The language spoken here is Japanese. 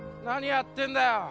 何やってんだよ。